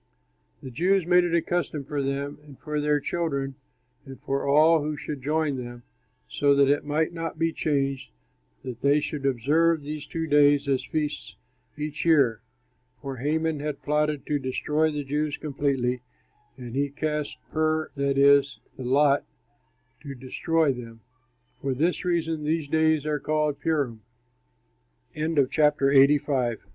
The Jews made it a custom for them, and for their children, and for all who should join them, so that it might not be changed, that they should observe these two days as feasts each year. For Haman had plotted to destroy the Jews completely, and he cast pur, that is, the lot, to destroy them. For this reason these days are called Purim. REBUILDING THE TEMPLE That the